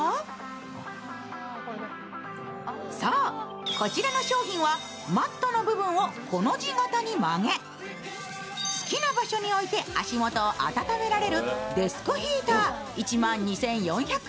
そう、こちらの商品はマットの部分をコの字型に曲げ好きな場所に置いて足元を温められるデスクヒーター。